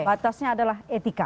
batasnya adalah etika